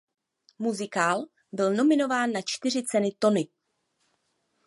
Muzikál byl nominován na čtyři ceny Tony.